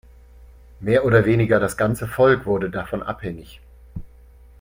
Mehr oder weniger das ganze Volk wurde davon abhängig.